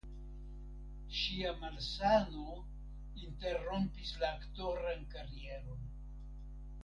Ŝia malsano interrompis la aktoran karieron.